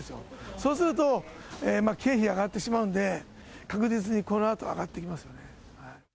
そうすると、経費が上がってしまうんで、確実にこのあと上がってきますよね。